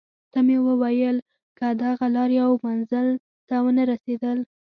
ته مې وویل: که دغه لار یو منزل ته ونه رسېدل.